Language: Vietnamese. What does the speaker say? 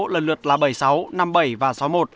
lần lượt là bảy sáu năm bảy và sáu một